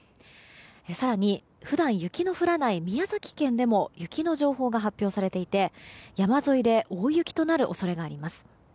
更に、普段雪の降らない宮崎県でも雪の情報が発表されていて山沿いで大雪となる恐れがあります。